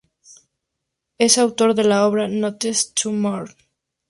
Es autor de la obra 'Notes to Mr.